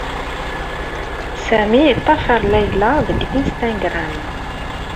Sami yeṭṭafar Layla deg Instagram.